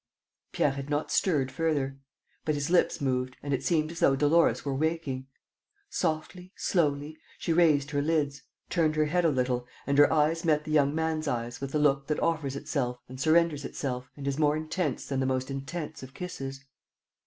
..." Pierre had not stirred further. But his lips moved and it seemed as though Dolores were waking. Softly, slowly, she raised her lids, turned her head a little and her eyes met the young man's eyes with the look that offers itself and surrenders itself and is more intense than the most intense of kisses.